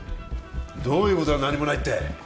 どういうことだ何もないって